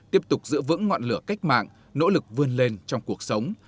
tiếp tục giữ vững ngọn lửa cách mạng nỗ lực vươn lên trong cuộc sống